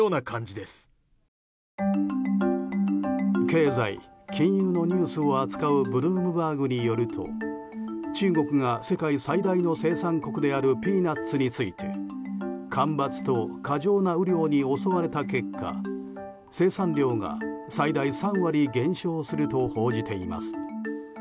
経済、金融のニュースを扱うブルームバーグによると中国が世界最大の生産国であるピーナツについて干ばつと過剰な雨量に襲われた結果生産量が最大３割減少すると報じています。